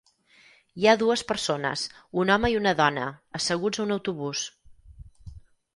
Hi ha dues persones, un home i una dona, asseguts a un autobús.